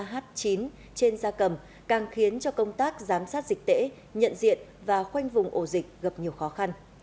h chín trên da cầm càng khiến cho công tác giám sát dịch tễ nhận diện và khoanh vùng ổ dịch gặp nhiều khó khăn